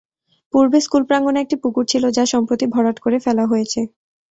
পূর্বে স্কুল প্রাঙ্গনে একটি পুকুর ছিল, যা সম্প্রতি ভরাট করে ফেলা হয়েছে।